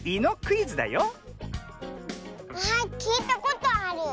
あきいたことある。